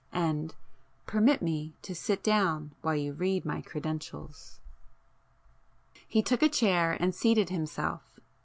"And permit me to sit down while you read my credentials." He took a chair and seated himself.